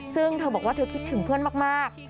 ซึ่งเธอบอกว่าเธอคิดถึงเพื่อนมาก